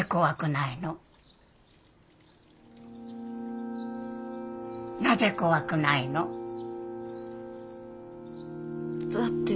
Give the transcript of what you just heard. なぜ怖くないの？だって。